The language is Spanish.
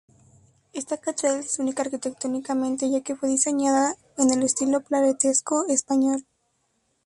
Esta catedral es única arquitectónicamente ya que fue diseñada en el estilo plateresco español.